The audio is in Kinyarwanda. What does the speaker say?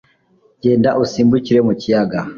Genda usimbukire mu kiyaga